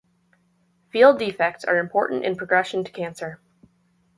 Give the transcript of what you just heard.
Field defects are important in progression to cancer.